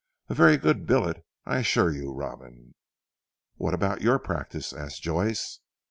A very good billet I assure you Robin." "What about your practice?" asked Joyce.